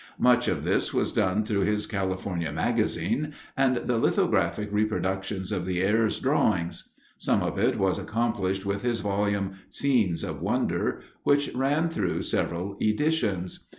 Much of this was done through his California Magazine and the lithographic reproductions of the Ayres drawings. Some of it was accomplished with his volume, Scenes of Wonder, which ran through several editions.